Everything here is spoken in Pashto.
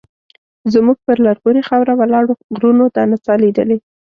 زموږ پر لرغونې خاوره ولاړو غرونو دا نڅا لیدلې.